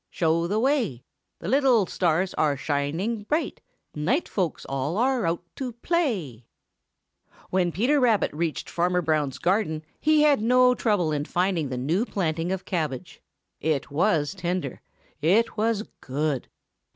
show the way! The little stars are shining bright; Night folks all are out to play." When Peter reached Farmer Brown's garden, he had no trouble in finding the new planting of cabbage. It was tender. It was good.